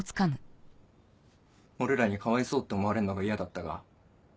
俺らにかわいそうって思われんのが嫌だったか？